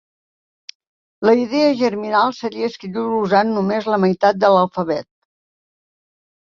La idea germinal seria escriure usant només la meitat de l'alfabet.